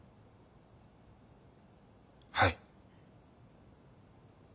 はい。